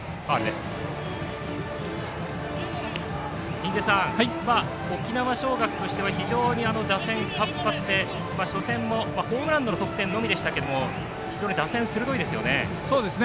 印出さん、沖縄尚学としては非常に打線活発で初戦もホームランの得点のみでしたけど非常に打線鋭いですよね。